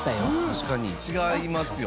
確かに違いますよ。